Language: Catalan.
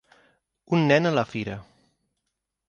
Un nen a la fira.